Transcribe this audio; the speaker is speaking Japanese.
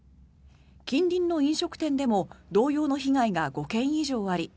近隣の飲食店でも同様の被害が５件以上あり